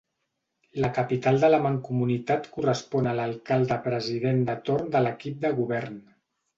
La capital de la mancomunitat correspon a l'alcalde-president de torn de l'equip de govern.